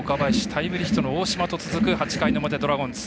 タイムリーヒットの大島と続く８回の表、ドラゴンズ。